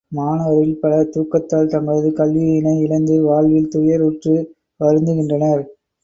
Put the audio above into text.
மாணவரில் பலர் தூக்கத்தால் தங்களது கல்வியினை இழந்து வாழ்வில் துயறுற்று வருந்துகின்றனர்.